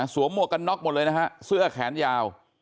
สวมหมวกกระน๊อกหมดเลยเสื้อแขนยาว